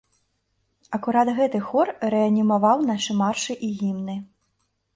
Акурат гэты хор рэанімаваў нашы маршы і гімны.